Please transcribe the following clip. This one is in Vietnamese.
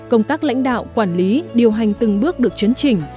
công tác lãnh đạo quản lý điều hành từng bước được chấn chỉnh